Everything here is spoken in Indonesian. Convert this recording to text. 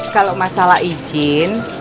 kalau masalah ijin